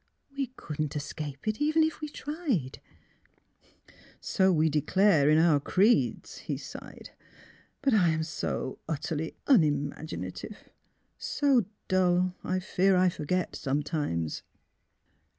We couldn't escape it even if we tried !"'' So we declare in our creeds," he sighed; " but I am so utterly unimaginative — so dull, I fear I forget sometimes."